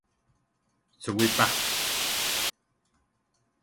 Suwí pa!